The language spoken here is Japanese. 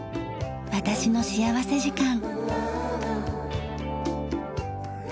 『私の幸福時間』。